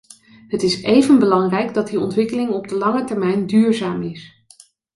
Het is even belangrijk dat die ontwikkeling op de lange termijn duurzaam is.